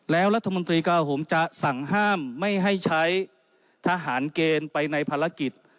แล้วรัฐมนตรีกระโหมจะสั่งห้ามไม่ให้ใช้ทหารเกณฑ์ไปในภารกิจ